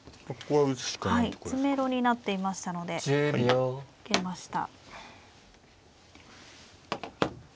はい詰めろになっていましたので受けました。